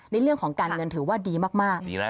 ในเรื่องของการเงินถือว่าดีมาก